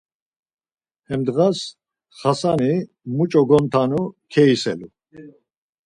Hem ndğas Xasani muç̌o gontanu keiselu.